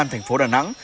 thành phố đà nẵng